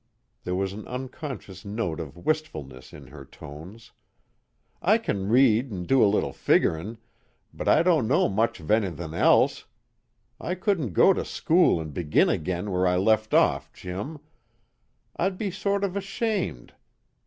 There was an unconscious note of wistfulness in her tones. "I kin read an' do a little figgerin', but I don't know much of anythin' else. I couldn't go to school an' begin again where I left off, Jim; I'd be sort of ashamed.